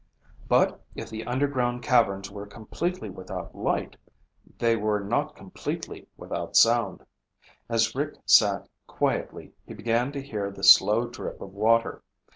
But if the underground caverns were completely without light, they were not completely without sound. As Rick sat quietly he began to hear the slow drip of water.